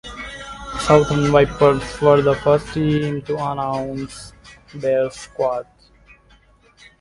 Southern Vipers were the first team to announce their squad.